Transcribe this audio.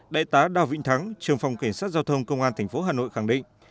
đại tá đào vĩnh thắng trường phòng cảnh sát giao thông công an tp hà nội khẳng định